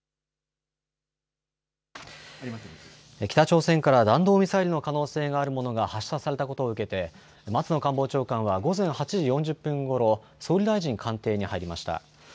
北朝鮮から弾道ミサイルの可能性があるものが発射されたことを受けて松野官房長官は午前８時４０分ごろ、総理大臣官邸に入りました。